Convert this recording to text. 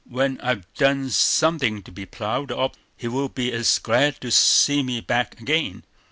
When I've done something to be proud of, he will be as glad to see me back again."